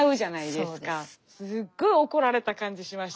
すっごい怒られた感じしました。